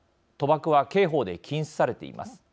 賭博は刑法で禁止されています。